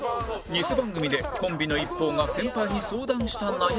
ニセ番組でコンビの一方が先輩に相談した悩みに